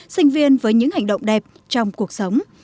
sinh viên với những hành động đẹp trong cuộc sống